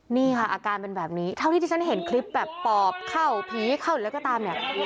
นี่ค่ะอาการเป็นแบบนี้เท่าที่ที่ฉันเห็นคลิปแบบปอบเข้าผีเข้าแล้วก็ตามเนี่ย